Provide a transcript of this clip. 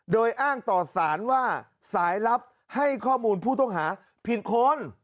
โดยอ้างต่อสารว่าสายลับให้ข้อมูลผู้ต้องหาผิดคน